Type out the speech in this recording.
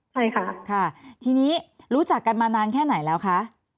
ใช่ค่ะค่ะทีนี้รู้จักกันมานานแค่ไหนแล้วคะ